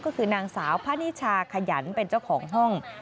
ก็คือนางสาวพระนิชาขยันเป็นเจ้าของห้อง